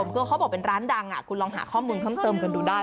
ก็เขาบอกเป็นร้านดังคุณลองหาข้อมูลเพิ่มเติมกันดูได้